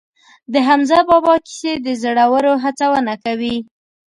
د حمزه بابا کیسې د زړورو هڅونه کوي.